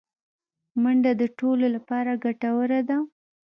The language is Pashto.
منډه د ټولو لپاره ګټوره ده